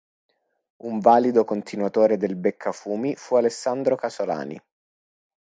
Un valido continuatore del Beccafumi fu Alessandro Casolani.